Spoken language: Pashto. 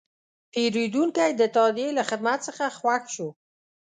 پیرودونکی د تادیې له خدمت څخه خوښ شو.